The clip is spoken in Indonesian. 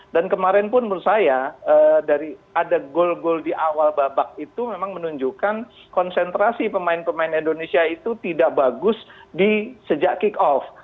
dan kemarin pun menurut saya dari ada gol gol di awal babak itu memang menunjukkan konsentrasi pemain pemain indonesia itu tidak bagus sejak kick off